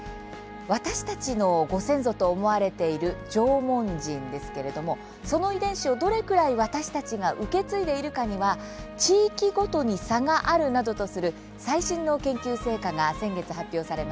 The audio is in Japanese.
私たちのご先祖と思われている縄文人ですけれどもその遺伝子を、どれぐらい私たちが受け継いでいるかには地域ごとに差があるなどとする最新の研究成果が先月、発表されました。